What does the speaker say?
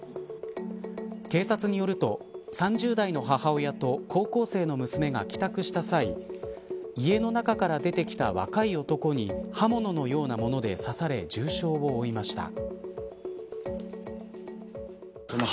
警察によると３０代の母親と高校生の娘が帰宅した際家の中から出てきた若い男に刃物のようなもので刺され重傷を負いました。